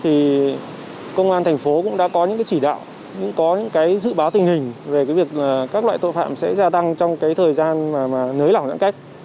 thì công an thành phố cũng đã có những chỉ đạo những dự báo tình hình về việc các loại tội phạm sẽ gia tăng trong thời gian nới lỏng giãn cách